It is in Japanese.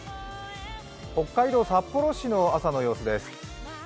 北海道札幌市の朝の様子です。